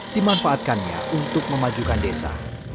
dimanfaatkannya untuk memajukan desa